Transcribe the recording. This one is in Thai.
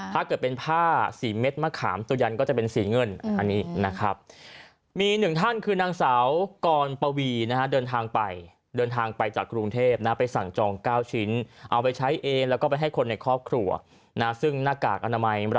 ถ้าเกิดเป็นผ้าสีเม็ดมะขามตัวยันก็จะเป็นสีเงินอันนี้นะครับ